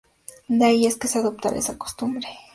De ahí es que se adoptara esa costumbre.